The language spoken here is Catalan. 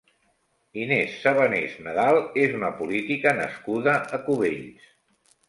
Inés Sabanés Nadal és una política nascuda a Cubells.